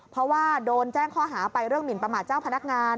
เพราะว่าโดนแจ้งข้อหาไปเรื่องหมินประมาทเจ้าพนักงาน